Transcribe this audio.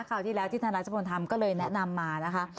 คราวที่แล้วที่ธนรัชพลทำก็เลยแนะนำมานะคะ